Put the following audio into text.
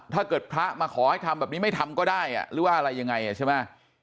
ถ้าเกิดพระมาขอให้ทำแบบนี้ไม่ทำก็ได้หรือว่าอะไรยังไงใช่ไหม